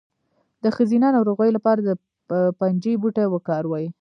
د ښځینه ناروغیو لپاره د پنجې بوټی وکاروئ